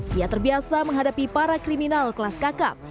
dia terbiasa menghadapi para kriminal kelas kakap